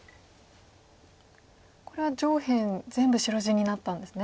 これは上辺全部白地になったんですね。